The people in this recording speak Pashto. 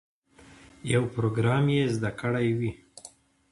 یو پروګرام یې زده کړی وي.